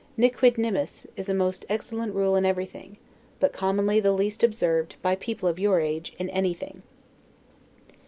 'Ne quid nimis', is a most excellent rule in everything; but commonly the least observed, by people of your age, in anything.